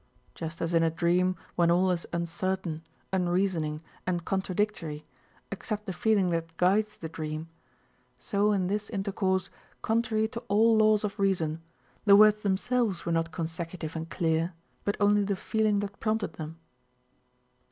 Just as in a dream when all is uncertain, unreasoning, and contradictory, except the feeling that guides the dream, so in this intercourse contrary to all laws of reason, the words themselves were not consecutive and clear but only the feeling that prompted them.